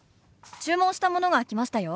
注文したものが来ましたよ。